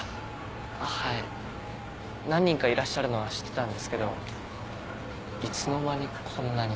はい何人かいらっしゃるのは知ってたんですけどいつの間にこんなに。